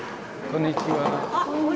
こんにちは。